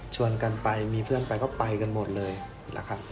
กันไปมีเพื่อนไปก็ไปกันหมดเลยนะครับ